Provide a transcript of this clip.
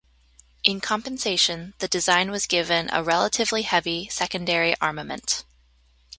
In compensation, the design was given a relatively heavy secondary armament.